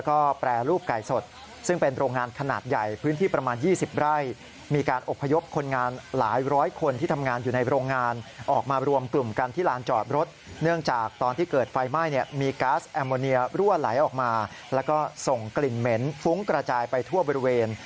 แก๊สแอมโมเนียรั่วไหลออกมาแล้วก็ส่งกลิ่นเหม็นฟุ้งกระจายไปทั่วบริเวณ